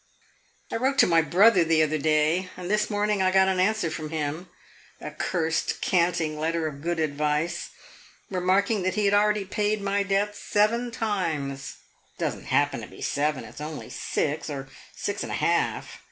I wrote to my brother the other day, and this morning I got an answer from him a cursed, canting letter of good advice, remarking that he had already paid my debts seven times. It does n't happen to be seven; it 's only six, or six and a half!